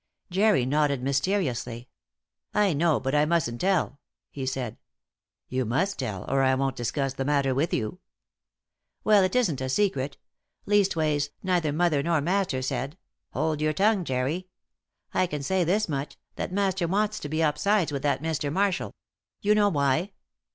Jerry nodded mysteriously. "I know; but I mustn't tell," he said. "You must tell, or I won't discuss the matter with you." "Well, it isn't a secret; leastways, neither mother nor master said 'Hold your tongue, Jerry.' I can say this much, that master wants to be upsides with that Mr. Marshall you know why."